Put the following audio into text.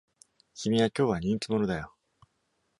君は、今日は人気者だよ。